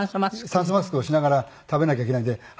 酸素マスクをしながら食べなきゃいけないんで。